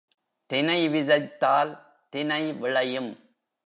தினை விதைத்தால் தினை விளையும்.